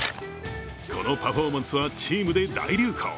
このパフォーマンスはチームで大流行。